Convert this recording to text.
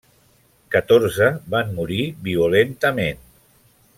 Catorze van morir violentament.